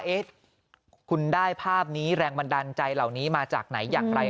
เอ๊ะคุณได้ภาพนี้แรงบันดาลใจเหล่านี้มาจากไหนอย่างไร